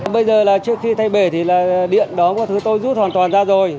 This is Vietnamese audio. bây giờ là trước khi thay bể thì là điện đóng và thứ tôi rút hoàn toàn ra rồi